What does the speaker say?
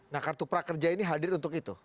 nah kartu prakerja ini hadir untuk itu